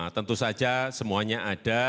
tentu saja semuanya ada